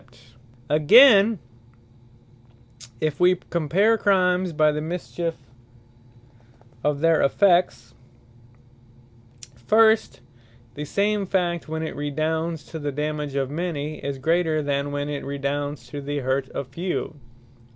Comparison Of Crimes From Their Effects Again, if we compare Crimes by the mischiefe of their Effects, First, the same fact, when it redounds to the dammage of many, is greater, than when it redounds to the hurt of few.